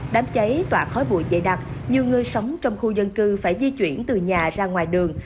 đám cháy tỏa khói bụi dày đặc nhiều người sống trong khu dân cư phải di chuyển từ nhà ra ngoài đường